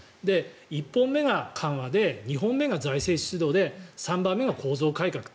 １本目が緩和で２本目が財政出動で３本目が構造改革と。